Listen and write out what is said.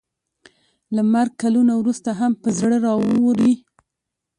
له مرګ کلونه وروسته هم په زړه راووري.